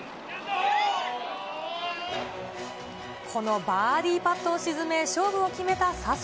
このバーディーパットを沈め、勝負を決めた笹生。